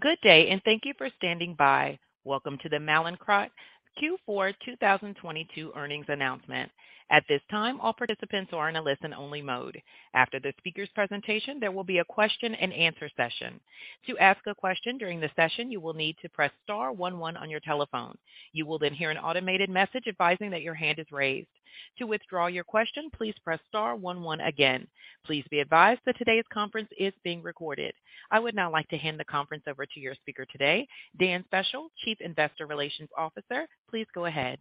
Good day. Thank you for standing by. Welcome to the Mallinckrodt Q4 2022 earnings announcement. At this time, all participants are in a listen-only mode. After the speaker's presentation, there will be a question-and-answer session. To ask a question during the session, you will need to press star one one on your telephone. You will hear an automated message advising that your hand is raised. To withdraw your question, please press star one one again. Please be advised that today's conference is being recorded. I would now like to hand the conference over to your speaker today, Dan Speciale, Chief Investor Relations Officer. Please go ahead.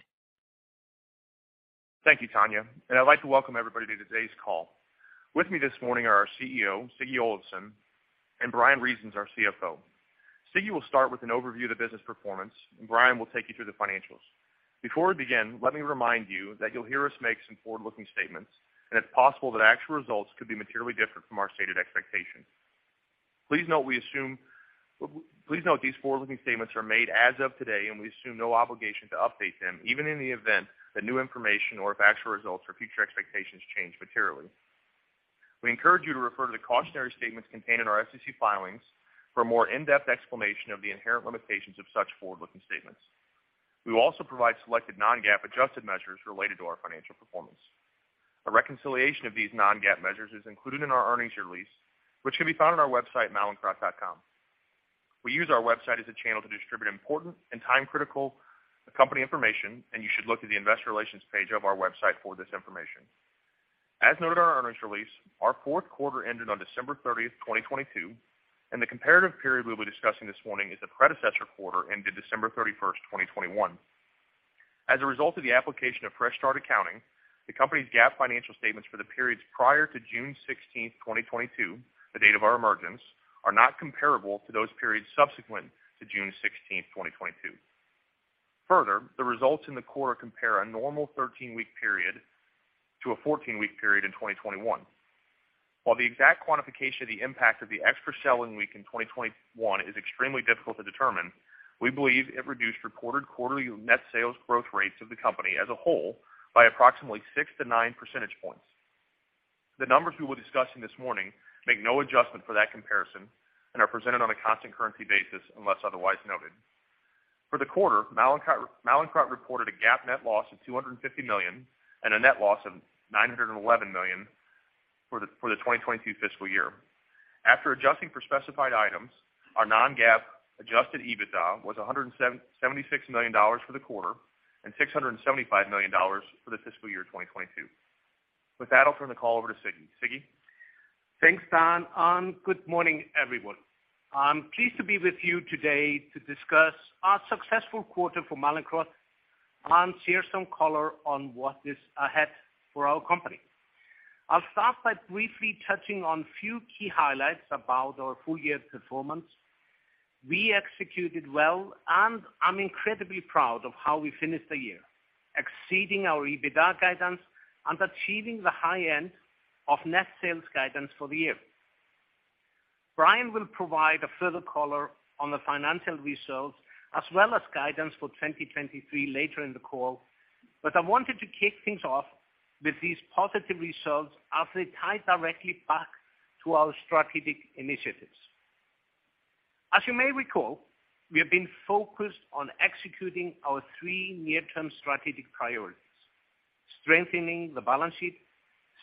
Thank you, Tanya. I'd like to welcome everybody to today's call. With me this morning are our CEO, Siggi Olafsson, and Bryan Reasons, our CFO. Siggi will start with an overview of the business performance, and Bryan will take you through the financials. Before we begin, let me remind you that you'll hear us make some forward-looking statements, and it's possible that actual results could be materially different from our stated expectations. Please note, these forward-looking statements are made as of today, and we assume no obligation to update them, even in the event that new information or if actual results or future expectations change materially. We encourage you to refer to the cautionary statements contained in our SEC filings for a more in-depth explanation of the inherent limitations of such forward-looking statements. We will also provide selected non-GAAP adjusted measures related to our financial performance. A reconciliation of these non-GAAP measures is included in our earnings release, which can be found on our website, mallinckrodt.com. We use our website as a channel to distribute important and time-critical company information, and you should look at the investor relations page of our website for this information. As noted in our earnings release, our fourth quarter ended on December 30, 2022, and the comparative period we'll be discussing this morning is the predecessor quarter, ended December 31, 2021. As a result of the application of fresh start accounting, the company's GAAP financial statements for the periods prior to June 16, 2022, the date of our emergence, are not comparable to those periods subsequent to June 16, 2022. The results in the quarter compare a normal 13-week period to a 14-week period in 2021. While the exact quantification of the impact of the extra selling week in 2021 is extremely difficult to determine, we believe it reduced reported quarterly net sales growth rates of the company as a whole by approximately 6-9 percentage points. The numbers we will discuss in this morning make no adjustment for that comparison and are presented on a constant currency basis unless otherwise noted. For the quarter, Mallinckrodt reported a GAAP net loss of $250 million and a net loss of $911 million for the 2022 fiscal year. After adjusting for specified items, our non-GAAP adjusted EBITDA was $176 million for the quarter and $675 million for the fiscal year 2022. With that, I'll turn the call over to Siggi. Siggi? Thanks, Dan. Good morning, everyone. I'm pleased to be with you today to discuss our successful quarter for Mallinckrodt and share some color on what is ahead for our company. I'll start by briefly touching on few key highlights about our full year performance. We executed well, and I'm incredibly proud of how we finished the year, exceeding our EBITDA guidance and achieving the high end of net sales guidance for the year. Bryan will provide a further color on the financial results as well as guidance for 2023 later in the call. I wanted to kick things off with these positive results as they tie directly back to our strategic initiatives. As you may recall, we have been focused on executing our three near-term strategic priorities: strengthening the balance sheet,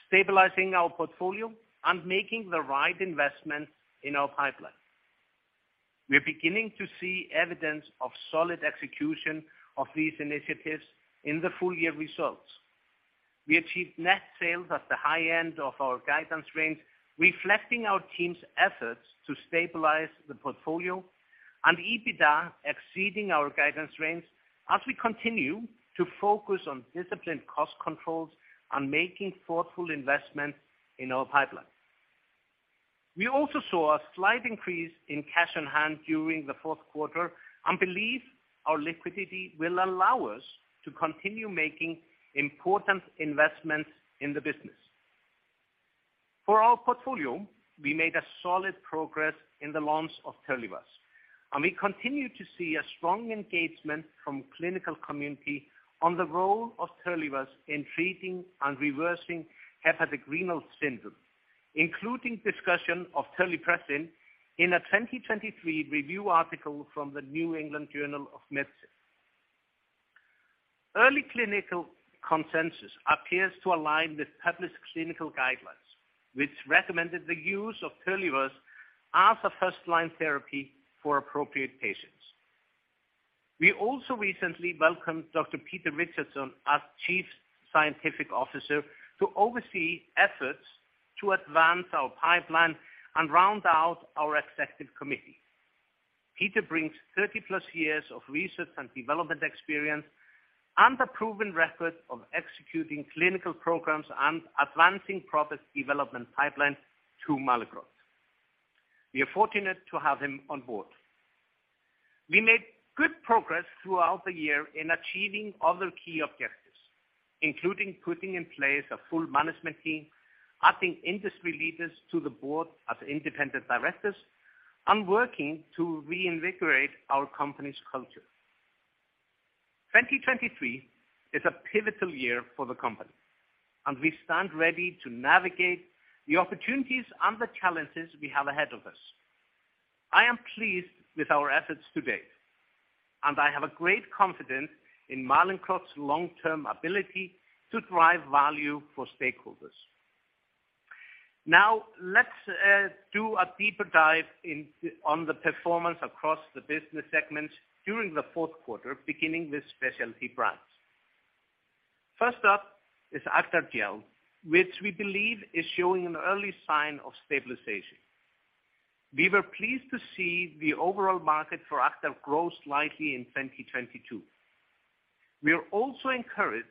stabilizing our portfolio, and making the right investments in our pipeline. We're beginning to see evidence of solid execution of these initiatives in the full year results. We achieved net sales at the high end of our guidance range, reflecting our team's efforts to stabilize the portfolio and EBITDA exceeding our guidance range as we continue to focus on disciplined cost controls and making thoughtful investments in our pipeline. We also saw a slight increase in cash on hand during the fourth quarter and believe our liquidity will allow us to continue making important investments in the business. For our portfolio, we made a solid progress in the launch of TERLIVAZ, and we continue to see a strong engagement from clinical community on the role of TERLIVAZ in treating and reversing hepatorenal syndrome, including discussion of terlipressin in a 2023 review article from the New England Journal of Medicine. Early clinical consensus appears to align with published clinical guidelines, which recommended the use of TERLIVAZ as a first-line therapy for appropriate patients. We also recently welcomed Dr. Peter Richardson as Chief Scientific Officer to oversee efforts to advance our pipeline and round out our executive committee. Peter brings 30-plus years of research and development experience and a proven record of executing clinical programs and advancing product development pipelines to Mallinckrodt. We are fortunate to have him on board. We made good progress throughout the year in achieving other key objectives, including putting in place a full management team, adding industry leaders to the board as independent directors, and working to reinvigorate our company's culture. 2023 is a pivotal year for the company. We stand ready to navigate the opportunities and the challenges we have ahead of us. I am pleased with our efforts to date, and I have a great confidence in Mallinckrodt's long-term ability to drive value for stakeholders. Now, let's do a deeper dive on the performance across the business segments during the fourth quarter, beginning with Specialty Brands. First up is Acthar Gel, which we believe is showing an early sign of stabilization. We were pleased to see the overall market for Acthar grow slightly in 2022. We are also encouraged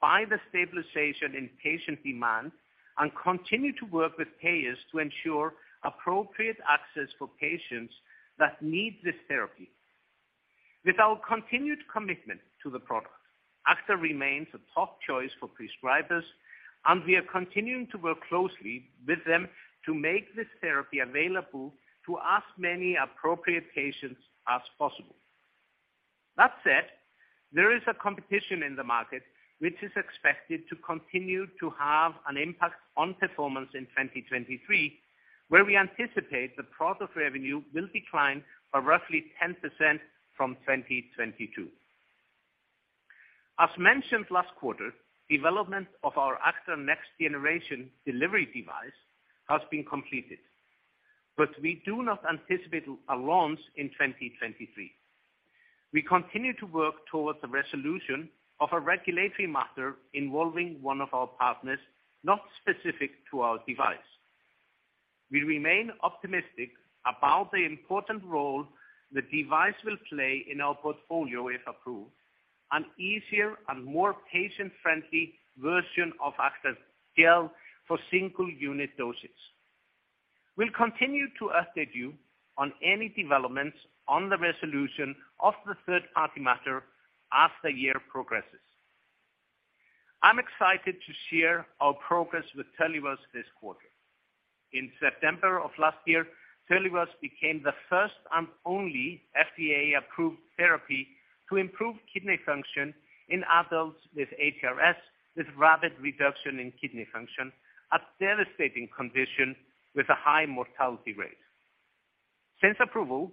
by the stabilization in patient demand and continue to work with payers to ensure appropriate access for patients that need this therapy. With our continued commitment to the product, Acthar remains a top choice for prescribers, and we are continuing to work closely with them to make this therapy available to as many appropriate patients as possible. There is a competition in the market which is expected to continue to have an impact on performance in 2023, where we anticipate the product revenue will decline by roughly 10% from 2022. As mentioned last quarter, development of our Acthar next generation delivery device has been completed. We do not anticipate a launch in 2023. We continue to work towards the resolution of a regulatory matter involving one of our partners, not specific to our device. We remain optimistic about the important role the device will play in our portfolio, if approved, an easier and more patient-friendly version of Acthar Gel for single unit doses. We'll continue to update you on any developments on the resolution of the third-party matter as the year progresses. I'm excited to share our progress with TERLIVAZ this quarter. In September of last year, TERLIVAZ became the first and only FDA-approved therapy to improve kidney function in adults with HRS, with rapid reduction in kidney function, a devastating condition with a high mortality rate. Since approval,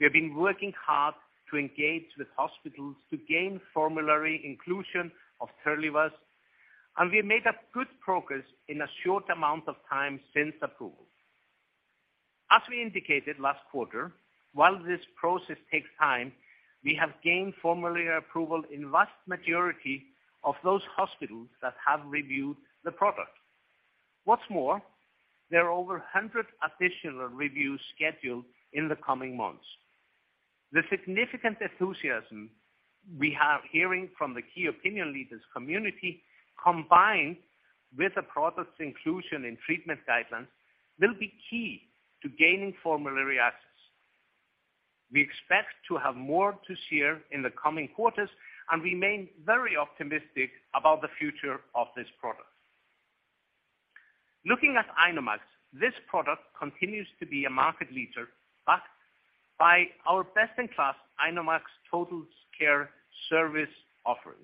we have been working hard to engage with hospitals to gain formulary inclusion of TERLIVAZ, and we made good progress in a short amount of time since approval. As we indicated last quarter, while this process takes time, we have gained formulary approval in vast majority of those hospitals that have reviewed the product. What's more, there are over 100 additional reviews scheduled in the coming months. The significant enthusiasm we are hearing from the key opinion leaders community, combined with the product's inclusion in treatment guidelines, will be key to gaining formulary access. We expect to have more to share in the coming quarters and remain very optimistic about the future of this product. Looking at INOmax, this product continues to be a market leader backed by our best-in-class INOmax Total Care service offering.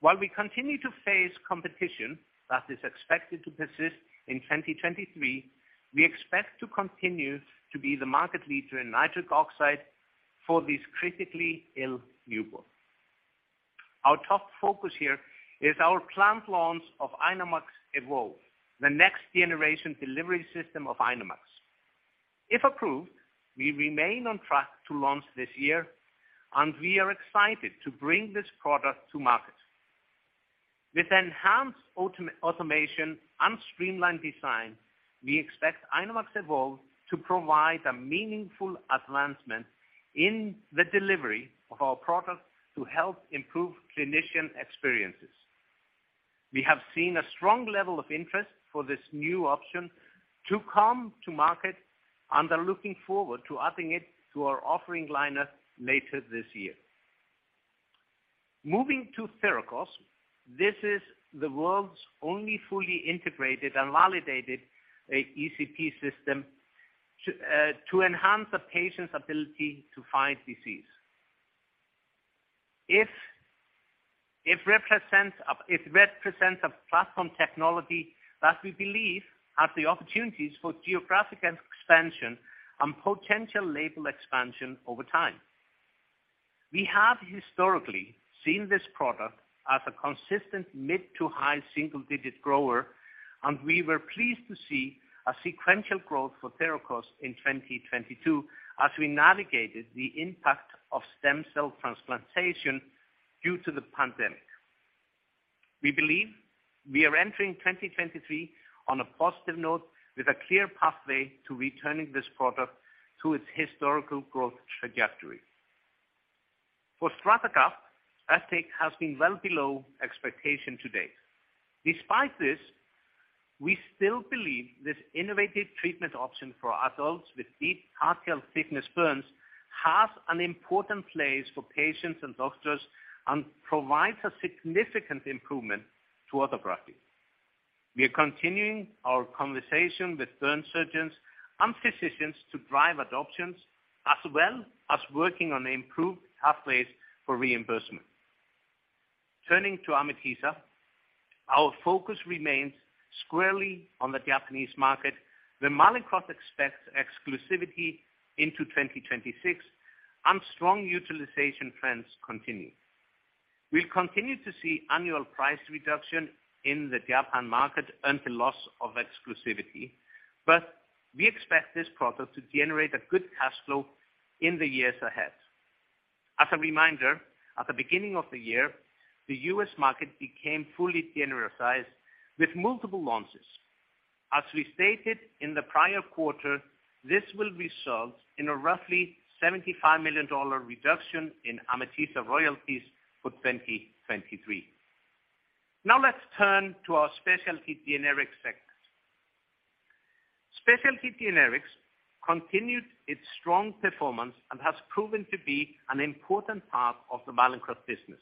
While we continue to face competition that is expected to persist in 2023, we expect to continue to be the market leader in nitric oxide for these critically-ill newborns. Our top focus here is our planned launch of INOmax EVOLVE, the next generation delivery system of INOmax. If approved, we remain on track to launch this year. We are excited to bring this product to market. With enhanced automation and streamlined design, we expect INOmax EVOLVE to provide a meaningful advancement in the delivery of our product to help improve clinician experiences. We have seen a strong level of interest for this new option to come to market and are looking forward to adding it to our offering lineup later this year. Moving to THERAKOS, this is the world's only fully integrated and validated ECP system to enhance a patient's ability to fight disease. It represents a platform technology that we believe has the opportunities for geographic expansion and potential label expansion over time. We have historically seen this product as a consistent mid-to-high single-digit grower, and we were pleased to see a sequential growth for THERAKOS in 2022 as we navigated the impact of stem cell transplantation due to the pandemic. We believe we are entering 2023 on a positive note with a clear pathway to returning this product to its historical growth trajectory. For StrataGraft, [that stake] has been well below expectation to date. Despite this, we still believe this innovative treatment option for adults with deep partial-thickness burns has an important place for patients and doctors and provides a significant improvement to other grafting. We are continuing our conversation with burn surgeons and physicians to drive adoptions, as well as working on improved pathways for reimbursement. Turning to Amitiza, our focus remains squarely on the Japanese market, where Mallinckrodt expects exclusivity into 2026 and strong utilization trends continue. We'll continue to see annual price reduction in the Japan market and the loss of exclusivity, but we expect this product to generate a good cash flow in the years ahead. As a reminder, at the beginning of the year, the U.S. market became fully genericized with multiple launches. As we stated in the prior quarter, this will result in a roughly $75 million reduction in Amitiza royalties for 2023. Let's turn to our Specialty Generics segment. Specialty Generics continued its strong performance and has proven to be an important part of the Mallinckrodt business.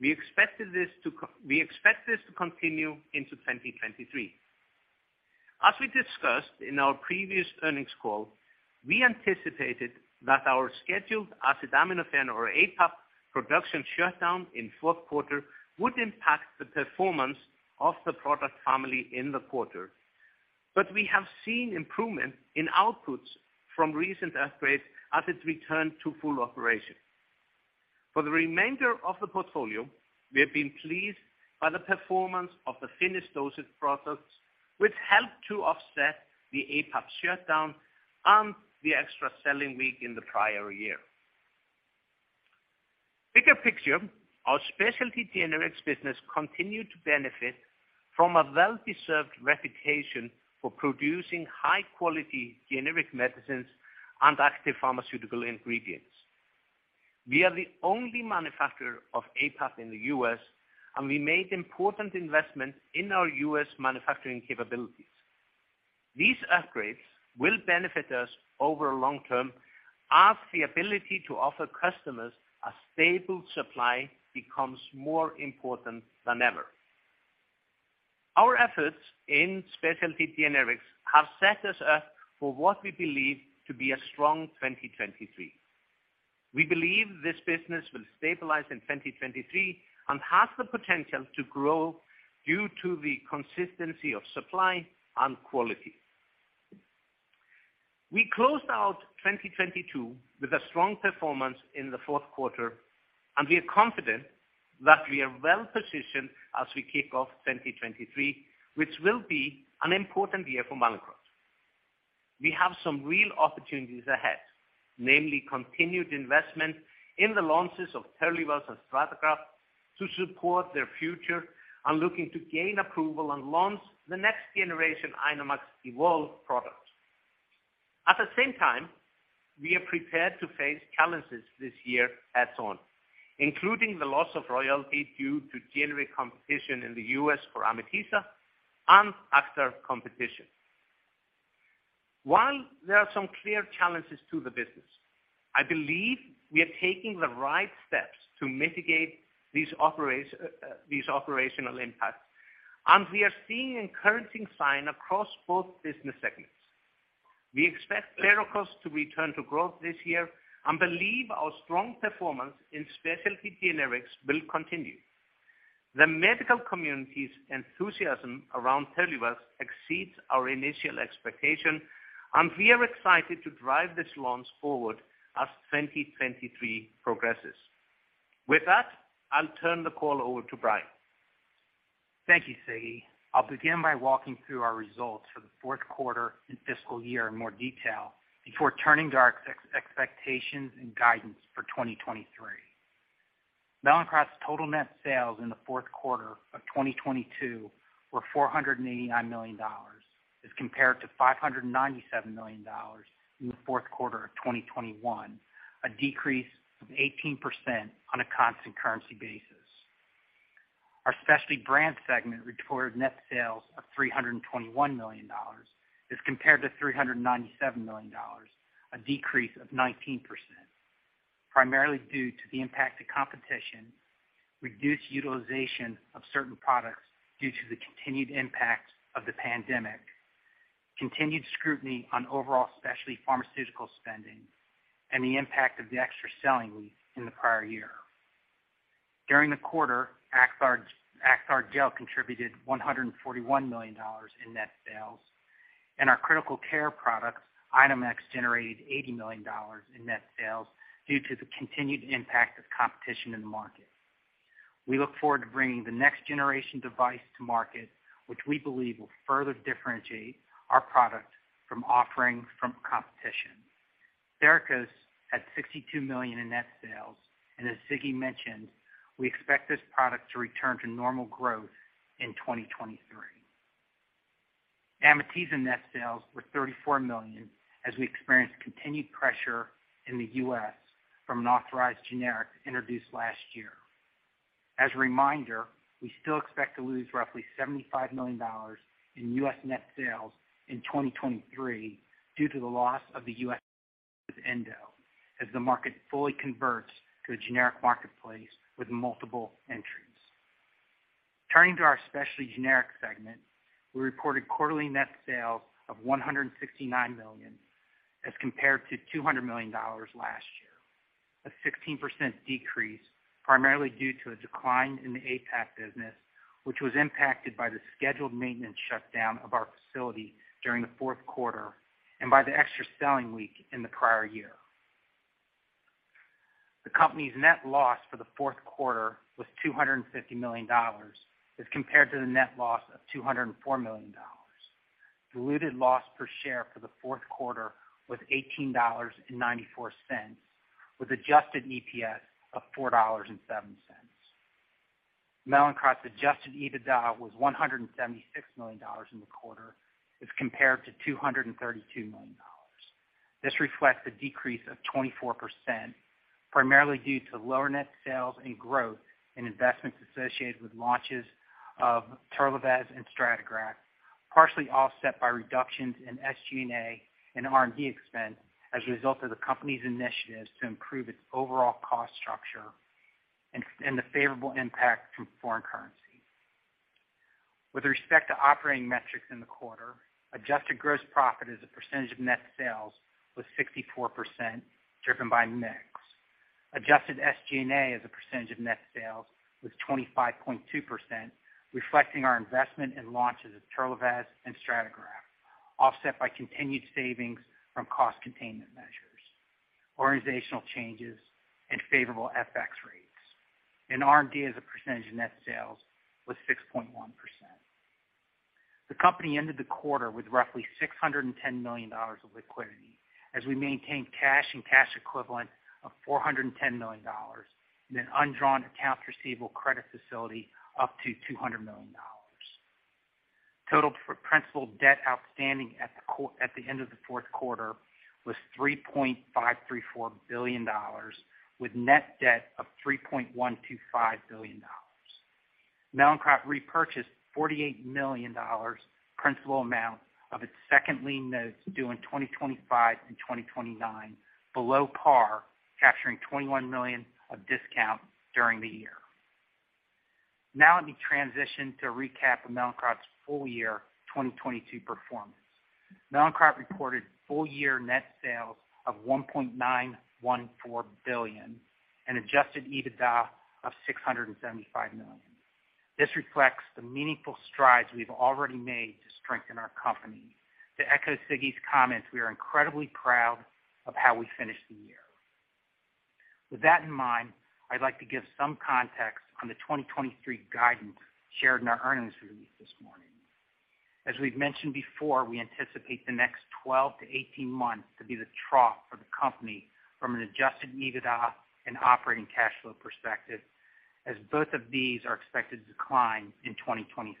We expect this to continue into 2023. As we discussed in our previous earnings call, we anticipated that our scheduled acetaminophen or APAP production shutdown in fourth quarter would impact the performance of the product family in the quarter. We have seen improvement in outputs from recent upgrades as it's returned to full operation. For the remainder of the portfolio, we have been pleased by the performance of the finished dosage products, which helped to offset the APAP shutdown and the extra selling week in the prior year. Bigger picture, our Specialty Generics business continued to benefit from a well-deserved reputation for producing high-quality generic medicines and active pharmaceutical ingredients. We are the only manufacturer of APAP in the U.S. We made important investments in our U.S. manufacturing capabilities. These upgrades will benefit us over long term as the ability to offer customers a stable supply becomes more important than ever. Our efforts in Specialty Generics have set us up for what we believe to be a strong 2023. We believe this business will stabilize in 2023 and has the potential to grow due to the consistency of supply and quality. We closed out 2022 with a strong performance in the fourth quarter. We are confident that we are well-positioned as we kick off 2023, which will be an important year for Mallinckrodt. We have some real opportunities ahead, namely continued investment in the launches of TERLIVAZ and StrataGraft to support their future and looking to gain approval and launch the next generation INOmax EVOLVE product. At the same time, we are prepared to face challenges this year head on, including the loss of royalty due to generic competition in the U.S. for Amitiza and Acthar competition. While there are some clear challenges to the business, I believe we are taking the right steps to mitigate these operational impacts, and we are seeing encouraging sign across both business segments. We expect THERAKOS to return to growth this year and believe our strong performance in Specialty Generics will continue. The medical community's enthusiasm around TERLIVAZ exceeds our initial expectation, and we are excited to drive this launch forward as 2023 progresses. With that, I'll turn the call over to Bryan. Thank you, Siggi. I'll begin by walking through our results for the fourth quarter and fiscal year in more detail before turning to our expectations and guidance for 2023. Mallinckrodt's total net sales in the fourth quarter of 2022 were $489 million as compared to $597 million in the fourth quarter of 2021, a decrease of 18% on a constant-currency basis. Our Specialty Brands segment reported net sales of $321 million as compared to $397 million, a decrease of 19%, primarily due to the impact of competition, reduced utilization of certain products due to the continued impact of the pandemic, continued scrutiny on overall specialty pharmaceutical spending, and the impact of the extra selling week in the prior year. During the quarter, Acthar Gel contributed $141 million in net sales, and our critical care product, INOmax, generated $80 million in net sales due to the continued impact of competition in the market. We look forward to bringing the next generation device to market, which we believe will further differentiate our product from offerings from competition. THERAKOS had $62 million in net sales, and as Siggi mentioned, we expect this product to return to normal growth in 2023. Amitiza net sales were $34 million, as we experienced continued pressure in the U.S. from an authorized generic introduced last year. As a reminder, we still expect to lose roughly $75 million in U.S. net sales in 2023 due to the loss of Endo as the market fully converts to a generic marketplace with multiple entries. Turning to our Specialty Generics segment, we reported quarterly net sales of $169 million, as compared to $200 million last year. A 16% decrease, primarily due to a decline in the APAP business, which was impacted by the scheduled maintenance shutdown of our facility during the fourth quarter and by the extra selling week in the prior year. The company's net loss for the fourth quarter was $250 million, as compared to the net loss of $204 million. Diluted loss per share for the fourth quarter was $18.94, with adjusted EPS of $4.07. Mallinckrodt's adjusted EBITDA was $176 million in the quarter, as compared to $232 million. This reflects a decrease of 24%, primarily due to lower net sales and growth in investments associated with launches of TERLIVAZ and StrataGraft, partially offset by reductions in SG&A and R&D expense as a result of the company's initiatives to improve its overall cost structure and the favorable impact from foreign currency. With respect to operating metrics in the quarter, adjusted gross profit as a percentage of net sales was 64% driven by mix. Adjusted SG&A as a percentage of net sales was 25.2%, reflecting our investment in launches of TERLIVAZ and StrataGraft, offset by continued savings from cost containment measures, organizational changes, and favorable FX rates. R&D as a percentage of net sales was 6.1%. The company ended the quarter with roughly $610 million of liquidity, as we maintained cash and cash equivalent of $410 million, and an undrawn accounts receivable credit facility up to $200 million. Total principal debt outstanding at the end of the fourth quarter was $3.534 billion, with net debt of $3.125 billion. Mallinckrodt repurchased $48 million principal amount of its second lien notes due in 2025 and 2029 below par, capturing $21 million of discount during the year. Let me transition to a recap of Mallinckrodt's full year 2022 performance. Mallinckrodt reported full year net sales of $1.914 billion and adjusted EBITDA of $675 million. This reflects the meaningful strides we've already made to strengthen our company. To echo Siggi's comments, we are incredibly proud of how we finished the year. With that in mind, I'd like to give some context on the 2023 guidance shared in our earnings release this morning. As we've mentioned before, we anticipate the next 12 to 18 months to be the trough for the company from an adjusted EBITDA and operating cash flow perspective, as both of these are expected to decline in 2023.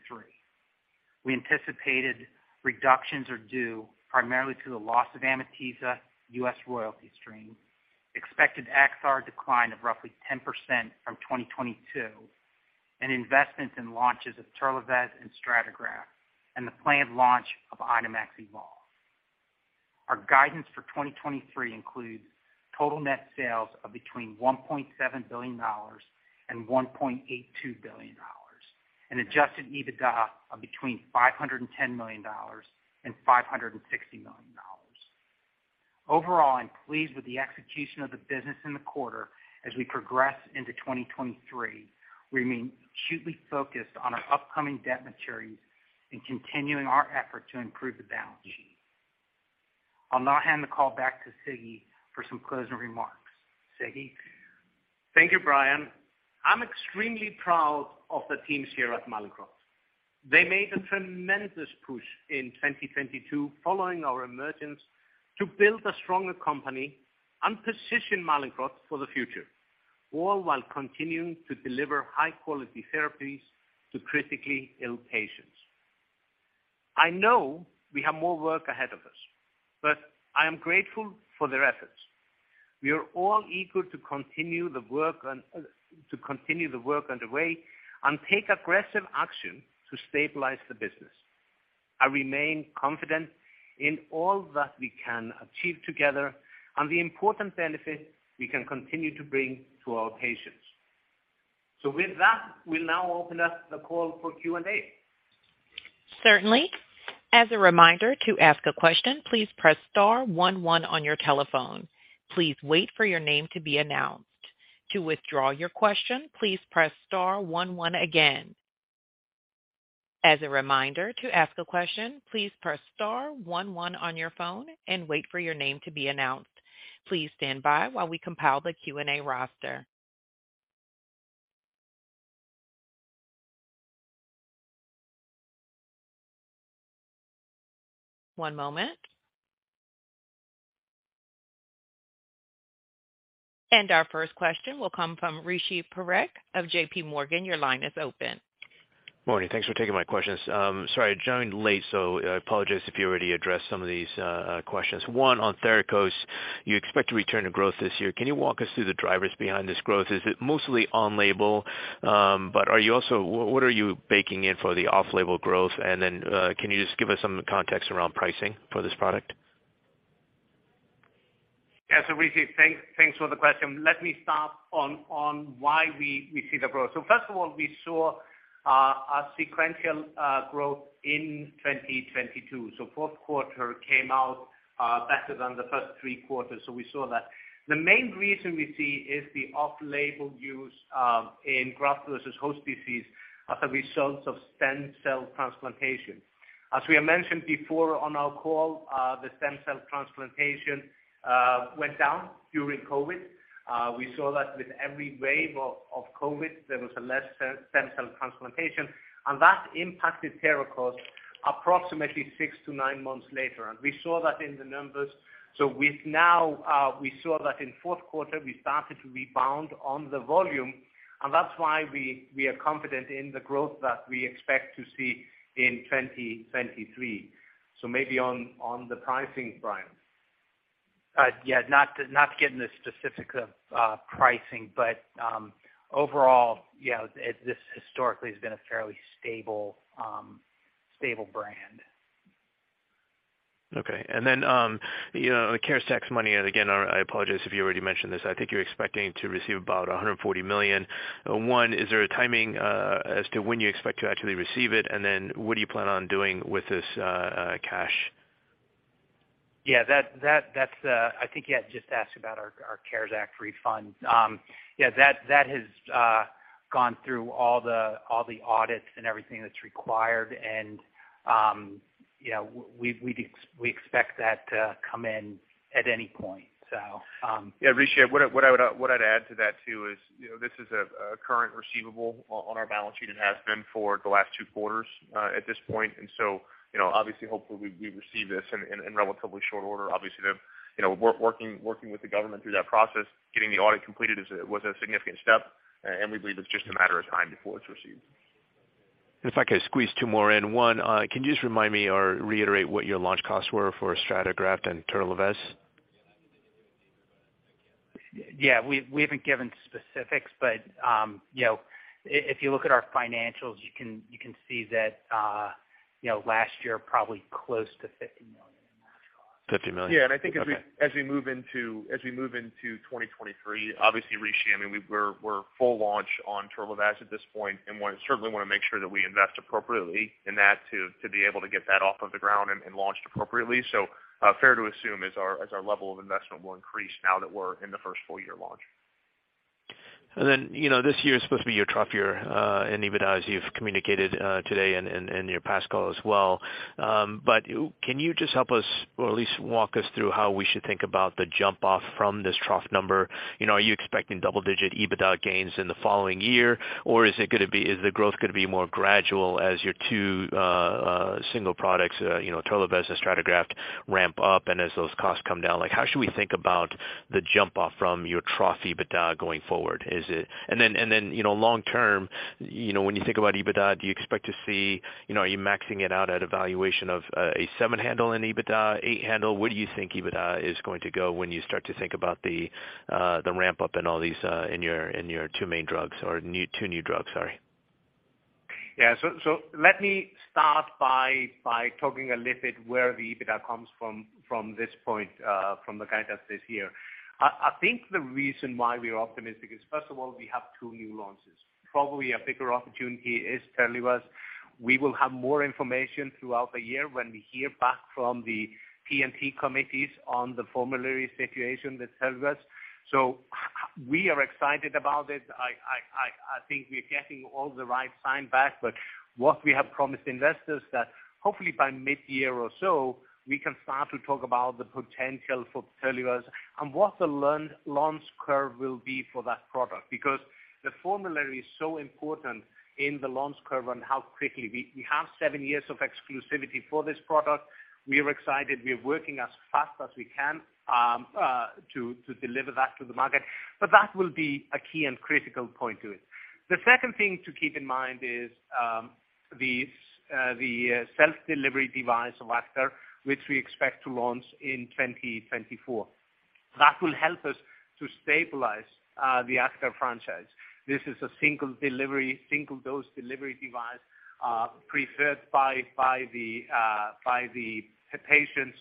We anticipated reductions are due primarily to the loss of Amitiza U.S. royalty stream, expected Acthar decline of roughly 10% from 2022, and investments in launches of TERLIVAZ and StrataGraft, and the planned launch of INOmax EVOLVE. Our guidance for 2023 includes total net sales of between $1.7 billion and $1.82 billion, and adjusted EBITDA of between $510 million and $560 million. Overall, I'm pleased with the execution of the business in the quarter as we progress into 2023. We remain acutely focused on our upcoming debt maturities and continuing our effort to improve the balance sheet. I'll now hand the call back to Siggi for some closing remarks. Siggi? Thank you, Bryan. I'm extremely proud of the teams here at Mallinckrodt. They made a tremendous push in 2022 following our emergence to build a stronger company and position Mallinckrodt for the future, all while continuing to deliver high-quality therapies to critically-ill patients. I know we have more work ahead of us. I am grateful for their efforts. We are all eager to continue the work underway and take aggressive action to stabilize the business. I remain confident in all that we can achieve together and the important benefit we can continue to bring to our patients. With that, we'll now open up the call for Q&A. Certainly. As a reminder, to ask a question, please press star one one on your telephone. Please wait for your name to be announced. To withdraw your question, please press star one one again. As a reminder, to ask a question, please press star one one on your phone and wait for your name to be announced. Please stand by while we compile the Q&A roster. One moment. Our first question will come from Rishi Parekh of JPMorgan, your line is open. Morning. Thanks for taking my questions. Sorry, I joined late, so I apologize if you already addressed some of these questions. One, on THERAKOS, you expect to return to growth this year. Can you walk us through the drivers behind this growth? Is it mostly on-label? Are you also what are you baking in for the off-label growth? Can you just give us some context around pricing for this product? Rishi, thanks for the question. Let me start on why we see the growth. First of all, we saw a sequential growth in 2022. Fourth quarter came out better than the first three quarters, so we saw that. The main reason we see is the off-label use in graft-versus-host disease as a result of stem cell transplantation. As we have mentioned before on our call, the stem cell transplantation went down during COVID. We saw that with every wave of COVID, there was a less stem cell transplantation, and that impacted THERAKOS approximately six-nine months later. We saw that in the numbers. We've now, we saw that in fourth quarter, we started to rebound on the volume, and that's why we are confident in the growth that we expect to see in 2023. Maybe on the pricing, Bryan. Yeah, not to, not to get into the specifics of pricing, but overall, yeah, this historically has been a fairly stable brand. Okay. You know, the CARES Act money, and again, I apologize if you already mentioned this. I think you're expecting to receive about $140 million. One, is there a timing as to when you expect to actually receive it? What do you plan on doing with this cash? Yeah, that's, I think you had just asked about our CARES Act refund. Yeah, that has gone through all the audits and everything that's required. You know, we expect that to come in at any point. Yeah, Rishi, what I'd add to that too is, you know, this is a current receivable on our balance sheet. It has been for the last two quarters at this point. Hopefully, you know, obviously, we receive this in relatively short order. Obviously, the, you know, working with the government through that process, getting the audit completed was a significant step. We believe it's just a matter of time before it's received. If I could squeeze two more in. One, can you just remind me or reiterate what your launch costs were for StrataGraft and TERLIVAZ? Yeah, we haven't given specifics, but, you know, if you look at our financials, you can see that, you know, last year, probably close to $50 million in last cost. $50 million? Okay. I think as we move into, as we move into 2023, obviously, Rishi, I mean, we're full launch on TERLIVAZ at this point, and wanna make sure that we invest appropriately in that to be able to get that off of the ground and launched appropriately. Fair to assume as our level of investment will increase now that we're in the first full year launch. You know, this year is supposed to be your trough year, in EBITDA, as you've communicated, today and your past call as well. Can you just help us or at least walk us through how we should think about the jump off from this trough number? You know, are you expecting double-digit EBITDA gains in the following year? Is the growth gonna be more gradual as your two single products, you know, TERLIVAZ and StrataGraft ramp up and as those costs come down? How should we think about the jump off from your trough EBITDA going forward? Is it— You know, long term, you know, when you think about EBITDA, do you expect to see, you know, are you maxing it out at a valuation of a seven handle in EBITDA, eight handle? Where do you think EBITDA is going to go when you start to think about the ramp up in all these, in your two main drugs or two new drugs? Sorry. Yeah. Let me start by talking a little bit where the EBITDA comes from this point, from the guidance this year. I think the reason why we're optimistic is, first of all, we have two new launches. Probably a bigger opportunity is TERLIVAZ. We will have more information throughout the year when we hear back from the P&T committees on the formulary situation with TERLIVAZ. We are excited about it. I think we're getting all the right sign back. What we have promised investors that hopefully by mid-year or so, we can start to talk about the potential for TERLIVAZ and what the launch curve will be for that product. The formulary is so important in the launch curve and how quickly. We have seven years of exclusivity for this product. We are excited. We are working as fast as we can to deliver that to the market, but that will be a key and critical point to it. The second thing to keep in mind is the self-delivery device of Acthar, which we expect to launch in 2024. That will help us to stabilize the Acthar franchise. This is a single delivery, single-dose delivery device, preferred by the patients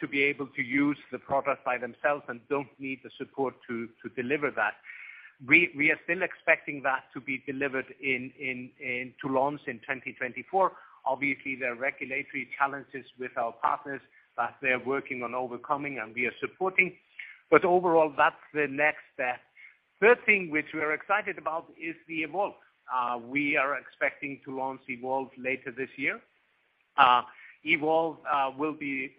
to be able to use the product by themselves and don't need the support to deliver that. We are still expecting that to be delivered in—to launch in 2024. Obviously, there are regulatory challenges with our partners that they're working on overcoming and we are supporting. Overall, that's the next step. Third thing which we're excited about is the EVOLVE. We are expecting to launch EVOLVE later this year. EVOLVE will be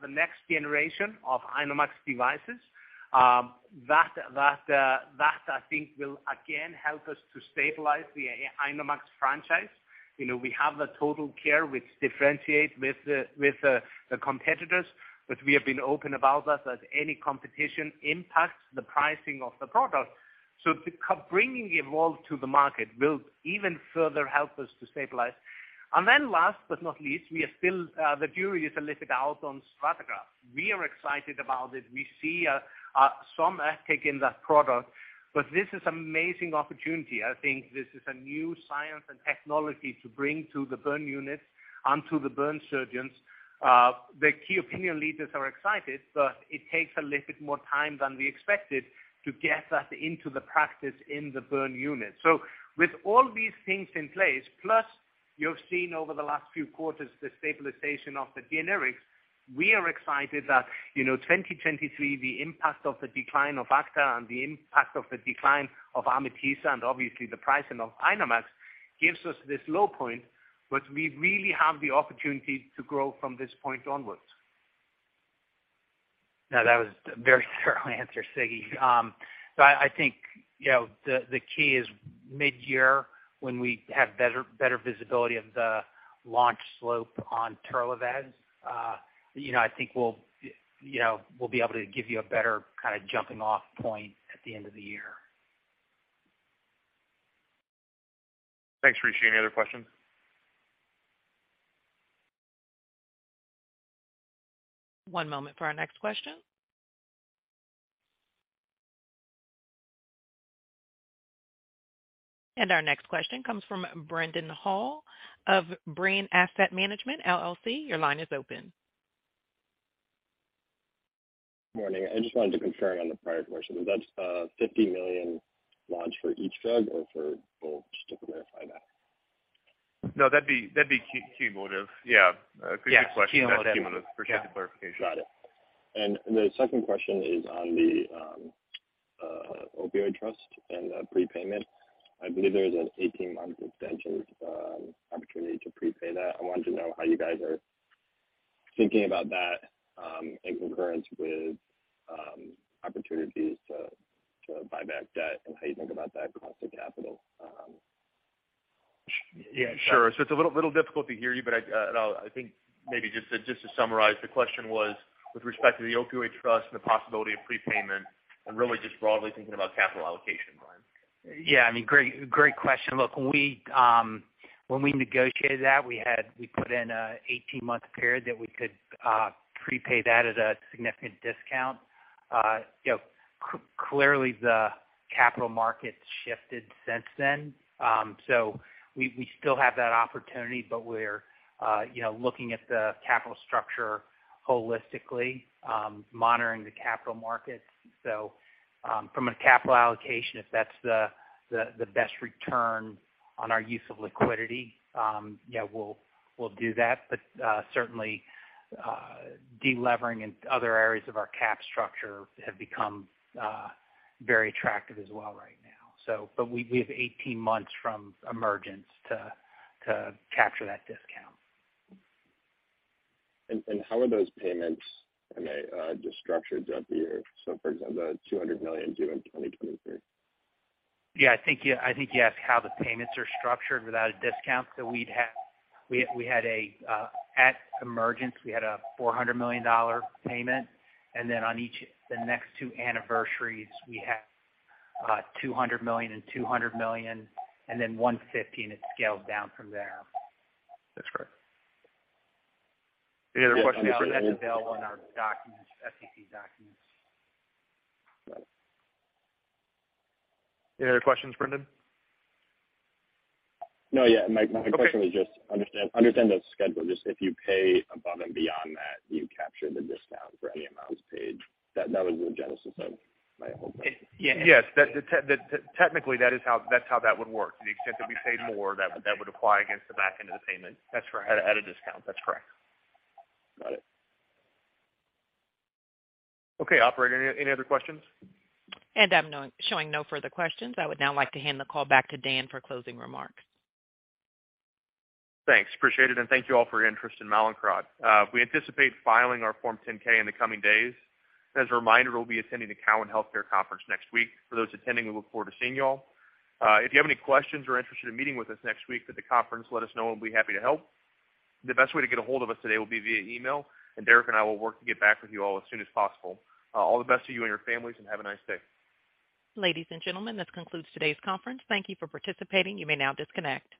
the next generation of INOmax devices. That I think will again help us to stabilize the INOmax franchise. You know, we have the Total Care which differentiate with the competitors, but we have been open about that any competition impacts the pricing of the product. To bringing EVOLVE to the market will even further help us to stabilize. Last but not least, we are still, the jury is a little bit out on StrataGraft. We are excited about it. We see some uptake in that product, but this is amazing opportunity. I think this is a new science and technology to bring to the burn unit and to the burn surgeons. The key opinion leaders are excited, but it takes a little bit more time than we expected to get that into the practice in the burn unit. With all these things in place, plus you've seen over the last few quarters the stabilization of the generics, we are excited that, you know, 2023, the impact of the decline of Acthar and the impact of the decline of Amitiza and obviously the pricing of INOmax gives us this low point. We really have the opportunity to grow from this point onwards. No, that was a very thorough answer, Siggi. I think, you know, the key is mid-year when we have better visibility of the launch slope on TERLIVAZ, you know, I think we'll, you know, we'll be able to give you a better kind of jumping off point at the end of the year. Thanks, Rishi. Any other questions? One moment for our next question. Our next question comes from Brendan Hall of Brean Asset Management LLC. Your line is open. Morning. I just wanted to confirm on the prior question, was that $50 million launch for each drug or for both? Just to clarify that. No, that'd be cumulative. Yeah. Good question. That's cumulative. Appreciate the clarification. Got it. The second question is on the opioid trust and the prepayment. I believe there's an 18-month extension opportunity to prepay that. I wanted to know how you guys are thinking about that in concurrence with opportunities to buy back debt and how you think about that across the capital? Yeah, sure. It's a little difficult to hear you, but I think maybe just to summarize, the question was with respect to the opioid trust and the possibility of prepayment and really just broadly thinking about capital allocation, Bryan. I mean, great question. Look, when we, when we negotiated that, we put in an 18-month period that we could prepay that at a significant discount. You know, clearly the capital markets shifted since then. We still have that opportunity, but we're, you know, looking at the capital structure holistically, monitoring the capital markets. From a capital allocation, if that's the best return on our use of liquidity, we'll do that. Certainly, delevering in other areas of our cap structure have become very attractive as well right now. But we have 18 months from emergence to capture that discount. How are those payments just structured throughout the year? For example, the $200 million due in 2023. I think you asked how the payments are structured without a discount. We had a, at emergence we had a $400 million payment. On each the next two anniversaries, we have $200 million and $200 million and then $150 million, and it's scaled down from there. That's correct. Any other questions? That's available on our documents, SEC documents. Any other questions, Brendan? No, yeah. My question was just understand the schedule. Just if you pay above and beyond that, do you capture the discount for any amounts paid? That was the genesis of my whole question. Yes. That technically, that's how that would work. To the extent that we paid more, that would apply against the back end of the payment. At a discount. That's correct. Got it. Okay, operator, any other questions? I'm showing no further questions. I would now like to hand the call back to Dan for closing remarks. Thanks. Appreciate it. Thank you all for your interest in Mallinckrodt. We anticipate filing our Form 10-K in the coming days. As a reminder, we'll be attending the Cowen Healthcare Conference next week. For those attending, we look forward to seeing you all. If you have any questions or interested in meeting with us next week at the conference, let us know and we'll be happy to help. The best way to get a hold of us today will be via email. Derek and I will work to get back with you all as soon as possible. All the best to you and your families. Have a nice day. Ladies and gentlemen, this concludes today's conference. Thank you for participating. You may now disconnect.